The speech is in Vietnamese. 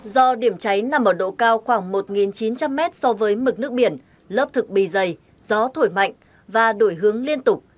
do điểm cháy nằm ở độ cao khoảng một chín trăm linh mét so với mực nước biển lớp thực bì dày gió thổi mạnh và đổi hướng liên tục